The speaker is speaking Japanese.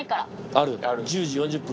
ある１０時４０分。